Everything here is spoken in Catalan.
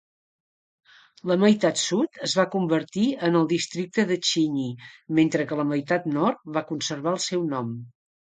La meitat sud es va convertir en el districte de Xinyi, mentre que la meitat nord va conservar el seu nom.